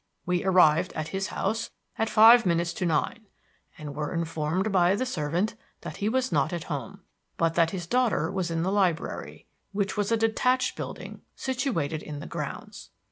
We arrived at his house at five minutes to nine, and were informed by the servant that he was not at home, but that his daughter was in the library, which was a detached building situated in the grounds.